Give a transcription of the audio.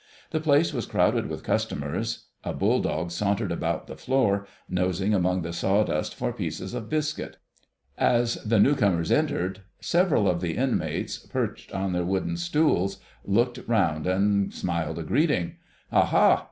The place was crowded with customers: a bull dog sauntered about the floor, nosing among the sawdust for pieces of biscuit. As the new comers entered several of the inmates, perched on their wooden stools, looked round and smiled a greeting. "Ah ha!